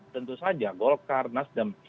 tentu saja golkar nasdem